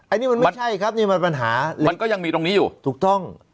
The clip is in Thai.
อันนี้มันไม่ใช่ครับนี่มันปัญหามันก็ยังมีตรงนี้อยู่ถูกต้อง